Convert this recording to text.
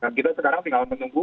dan kita sekarang tinggal menunggu